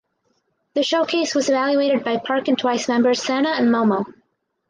The showcase was evaluated by Park and Twice members Sana and Momo.